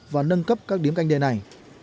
và nâng cấp các điếm canh d này